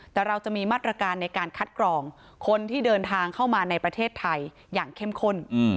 แต่เราจะมีมาตรการในการคัดกรองคนที่เดินทางเข้ามาในประเทศไทยอย่างเข้มข้น